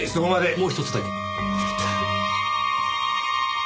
もうひとつだけ。